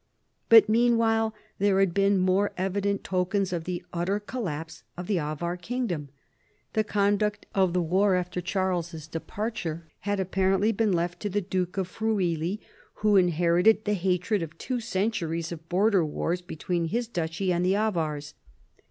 But meanwhile there had been more evident tokens of the utter collapse of the Avar kingdom. The conduct of the war after Charles's departure had apparently been left to the Duke of Friuli, who inherited the hatred of two centuries of border wars between his duchy and the Avars.